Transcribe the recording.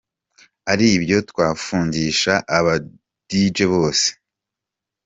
Ari ibyo twafungisha aba Dj bose.